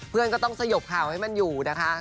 เพื่อนก็ต้องสยบข่าวให้มันอยู่นะคะ